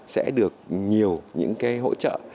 sẽ được nhiều những cái hỗ trợ